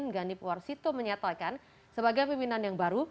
ganip warsito menyatakan sebagai pimpinan yang baru